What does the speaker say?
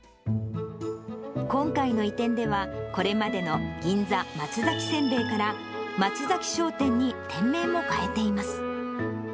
今回の移転では、これまでの銀座松崎煎餅から、松崎商店に店名も変えています。